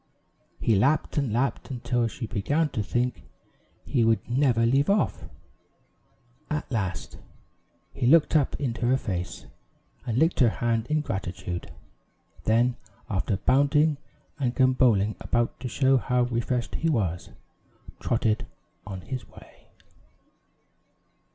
He lapped and lapped, until she began to think he would never leave off. At last, he looked up into her face, and licked her hand in gratitude; then, after bounding and gamboling about to show how refreshed he was, trotted on his way.